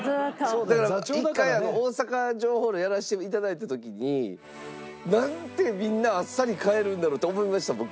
だから一回大阪城ホールやらせて頂いた時になんてみんなあっさり帰るんだろうって思いました僕。